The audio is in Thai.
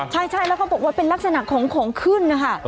ใช่แล้วเขาบอกว่าเป็นลักษณะของของขึ้นนะคะ